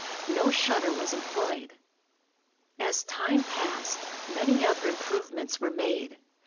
No shutter was employed. As time passed many other improvements were made.